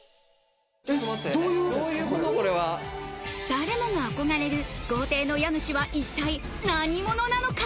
誰もが憧れる豪邸の家主は一体何者なのか？